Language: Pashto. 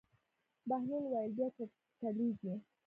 بهلول وویل: بیا چټلېږي.